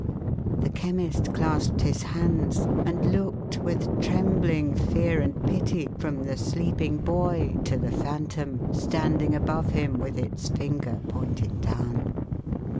The Chemist clasped his hands, and looked, with trembling fear and pity, from the sleeping boy to the Phantom, standing above him with its finger pointing down.